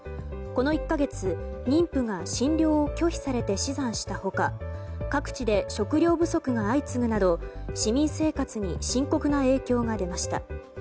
この１か月、妊婦が診療を拒否されて死産した他各地で食料不足が相次ぐなど市民生活に深刻な影響が出ました。